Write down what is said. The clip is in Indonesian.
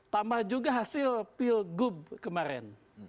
tambah juga hasil pilgub kemarin